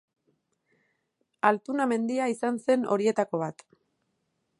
Altuna mendia izan zen horietako bat.